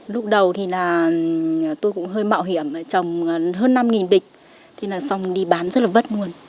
lúc đầu thì tôi cũng hơi mạo hiểm trồng hơn năm bịch xong đi bán rất là vất luôn